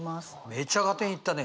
めちゃ合点いったね。